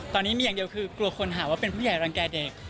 ตอนนี้มีอย่างเดียวคือกลัวคนหาว่าเป็นผู้ใหญ่รังแก่เด็ก